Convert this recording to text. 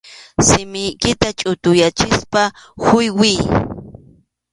Simiykita chʼutuyachispa huywiy.